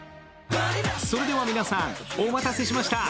それでは皆さん、お待たせしました。